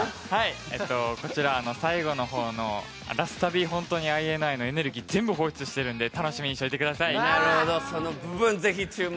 こちらは最後の方のサビ、ＩＮＩのエネルギーを全部放出しているので楽しみにしておいてください。